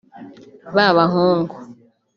Ba bahungu